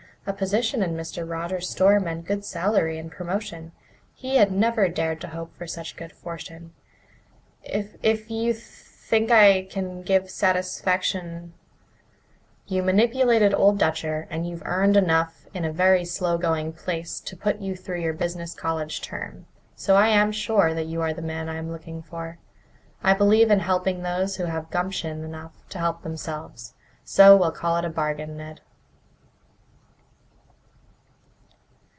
A position in Mr. Rogers's store meant good salary and promotion. He had never dared to hope for such good fortune. "If you think I can give satisfaction " "You manipulated Old Dutcher, and you've earned enough in a very slow going place to put you through your business college term, so I am sure you are the man I'm looking for. I believe in helping those who have 'gumption' enough to help themselves, so we'll call it a bargain, Ned."